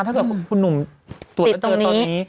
ถ้าเกิดคุณหนุ่มตรวจแล้วเจอตอนนี้